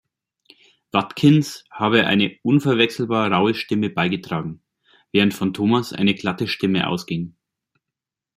Watkins habe eine unverwechselbar raue Stimme beigetragen, während von Thomas eine glatte Stimme ausging.